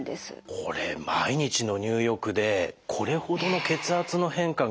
これ毎日の入浴でこれほどの血圧の変化が起きてるんですね。